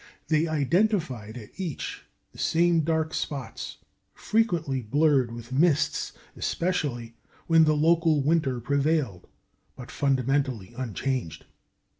They identified at each the same dark spots, frequently blurred with mists, especially when the local winter prevailed, but fundamentally unchanged.